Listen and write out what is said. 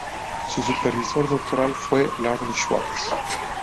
Su supervisor doctoral fue Laurent Schwartz.